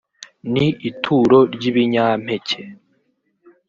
ni ituro ry’ibinyampeke